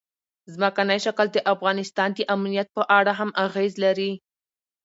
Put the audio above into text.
ځمکنی شکل د افغانستان د امنیت په اړه هم اغېز لري.